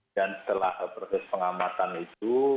dan setelah proses pengamatan itu